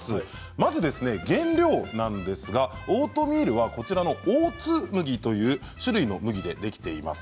まず原料なんですがオートミールはオーツ麦という種類の麦でできています。